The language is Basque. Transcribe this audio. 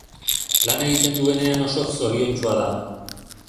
Lan egiten duenean oso zoriontsua da.